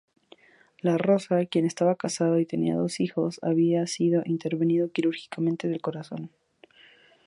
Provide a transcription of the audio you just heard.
Larrosa, quien estaba casado y tenía dos hijos, había sido intervenido quirúrgicamente del corazón.